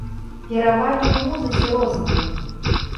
Перавагі ў музыцы розныя.